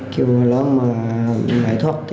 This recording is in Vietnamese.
kêu là ông mà ngại thoát